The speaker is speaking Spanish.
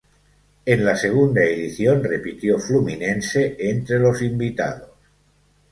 En la segunda edición repitió Fluminense entre los invitados.